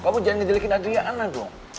kamu jangan ngejelikin adriana dong